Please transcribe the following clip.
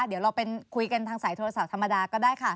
เดี๋ยวเราคุยกันทางสายโทรศัพท์ธรรมดาก็ได้ค่ะ